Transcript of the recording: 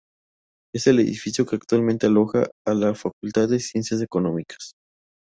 Es el edificio que actualmente aloja a la Facultad de Ciencias Económicas.